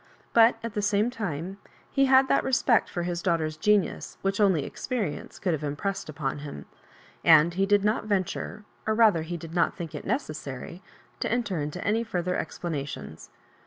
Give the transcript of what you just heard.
But at the same time he had that respect for his daughter's genius, which only experience could have impressed upon hiat; and he did not venture, or rather he did not think it necessary, to enter into any further explanations.